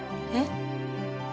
えっ？